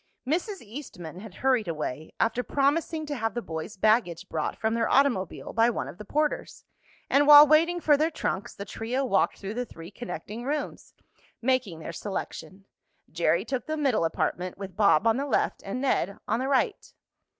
Mrs. Eastman had hurried away, after promising to have the boys' baggage brought from their automobile by one of the porters, and while waiting for their trunks the trio walked through the three connecting rooms, making their selection. Jerry took the middle apartment, with Bob on the left and Ned on the right.